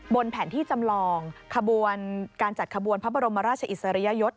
แผนที่จำลองขบวนการจัดขบวนพระบรมราชอิสริยยศ